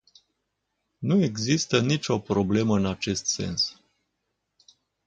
Nu există nicio problemă în acest sens.